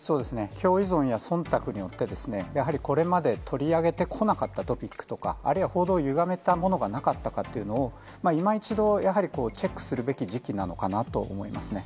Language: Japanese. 共依存やそんたくによって、やはりこれまで取り上げてこなかったトピックとか、あるいは報道をゆがめたものがなかったかというのを、今一度、やはりチェックするべき時期なのかなと思いますね。